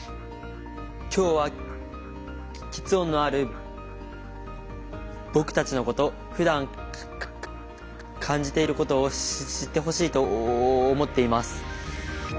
今日はきつ音のある僕たちのことふだん感じていることを知ってほしいと思っています。